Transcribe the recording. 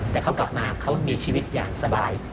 แต่เขากลับมาเขามีชีวิตอย่างสบาย